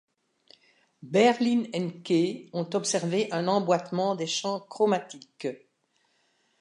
Berlin et Kay ont observé un emboîtement des champs chromatiques.